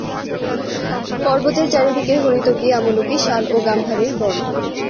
পর্বতের চারি দিকে হরীতকী আমলকী শাল ও গাম্ভারির বন।